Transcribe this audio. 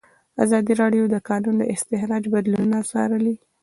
ازادي راډیو د د کانونو استخراج بدلونونه څارلي.